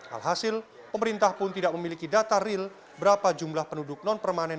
alhasil pemerintah pun tidak memiliki data real berapa jumlah penduduk non permanen